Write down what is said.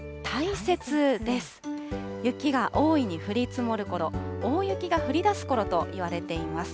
雪が大いに降り積もるころ、大雪が降りだすころといわれています。